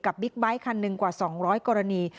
บิ๊กไบท์คันหนึ่งกว่า๒๐๐กรณี